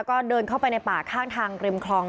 ก็เดินเข้าไปในป่าข้างทางริมคลอง